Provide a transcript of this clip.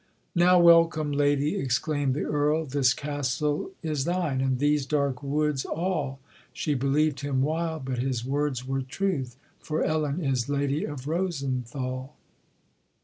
"'Now welcome, Lady!' exclaimed the Earl 'This Castle is thine, and these dark woods all.' She believed him wild, but his words were truth, For Ellen is Lady of Rosenthal."